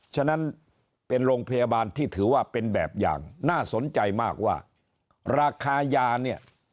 ฉะนั้นเป็นโรงพยาบาลที่ถือว่าเป็นแบบอย่างน่าสนใจมากว่าราคายาเนี่ย